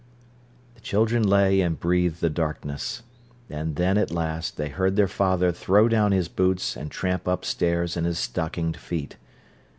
The children lay and breathed the darkness. And then, at last, they heard their father throw down his boots and tramp upstairs in his stockinged feet.